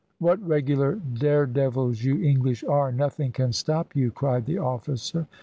"What regular daredevils you English are, nothing can stop you," cried the officer.